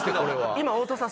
今太田さん